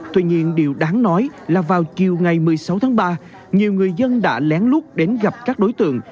tuy nhiên điều đáng nói là vào chiều ngày một mươi sáu tháng ba nhiều người dân đã lén lút đến gặp các đối tượng